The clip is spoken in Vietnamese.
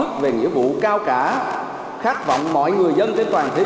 và có ý thức về nghĩa vụ cao cả khát vọng mọi người dân trên toàn thế giới